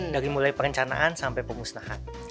dari mulai perencanaan sampai pemusnahan